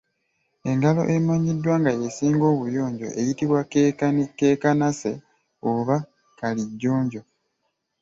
Engalo emanyiddwa nga y’esinga obuyonjo eyitibwa Keekanase oba Kalijjonjo.